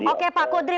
oke pak kudri